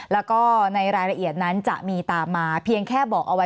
แล้วก็ในรายละเอียดนั้นจะมีตามมาเพียงแค่บอกเอาไว้